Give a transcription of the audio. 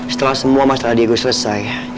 setelah semua masalah diego selesai